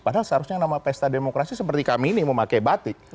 padahal seharusnya nama pesta demokrasi seperti kami ini memakai batik